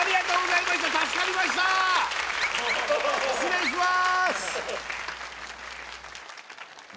失礼しまーす！